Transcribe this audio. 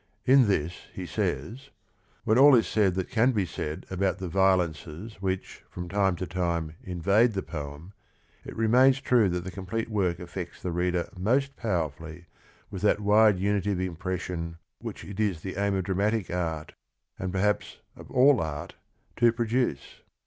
In this he says: "When all is said that can be said about the violences which from time to time invade the poem, it remains true that the complete work affects the reader most powerfully with that wide unity of impression which it is the aim of dra matic art, and perhaps of all art, to produce."